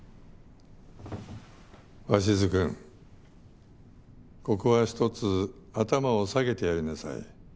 鷲津君ここはひとつ頭を下げてやりなさい。